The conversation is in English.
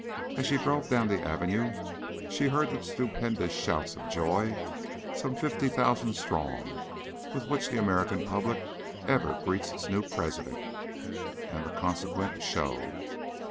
As she drove down the Avenue, she heard the stupendous shout of joy, some fifty thousand strong, with which the American public ever greets its new President and the consequent show.